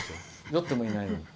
酔ってもいないのに。